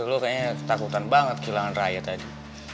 lu kayaknya ketakutan banget kehilangan rai tadi